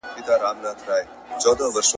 • که نه و، نه سره زامن دي، که يو و، يو هم بد دئ.